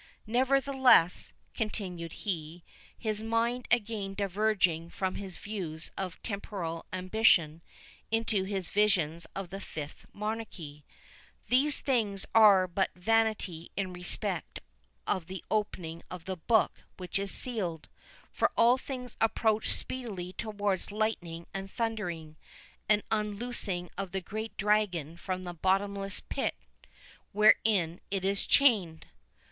—Nevertheless," continued he, his mind again diverging from his views of temporal ambition into his visions of the Fifth Monarchy, "these things are but vanity in respect of the opening of the book which is sealed; for all things approach speedily towards lightning and thundering, and unloosing of the great dragon from the bottomless pit, wherein he is chained."